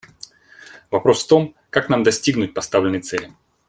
Вопрос в том, как нам достигнуть поставленной цели?